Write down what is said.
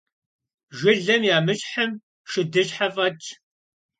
Jjılem yamışhım şşıdışhe f'etş.